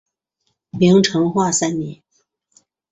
明成化三年。